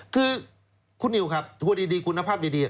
คือไปที่คุณนิวครับธัวร์ดีคุณภาพดี